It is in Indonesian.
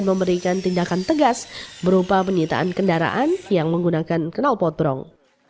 dan memberikan tindakan tegas berupa penyitaan kendaraan yang menggunakan kenal potbrong